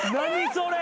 それ。